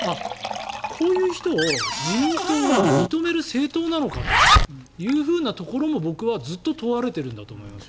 こういう人を自民党は認める政党なのかというところも僕はずっと問われているんだと思います。